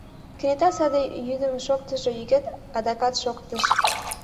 Кенета саде йӱдым шоктышо йӱкет адакат шоктыш.